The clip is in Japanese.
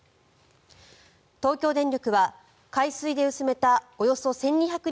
東京電力は、海水で薄めたおよそ１２００